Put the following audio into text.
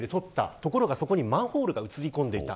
ところがそこにマンホールが写り込んでいた。